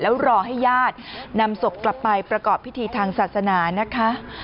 แล้วรอให้ญาตินำศพกลับไปประกอบพิธีทางศาสนานะคะ